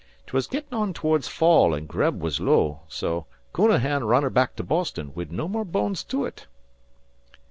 'Twas gettin' on towards fall, and grub was low, so Counahan ran her back to Boston, wid no more bones to ut."